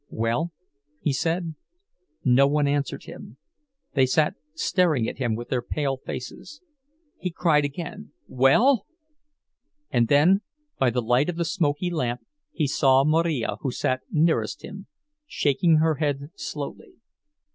"Well?" he said. No one answered him, they sat staring at him with their pale faces. He cried again: "Well?" And then, by the light of the smoky lamp, he saw Marija who sat nearest him, shaking her head slowly.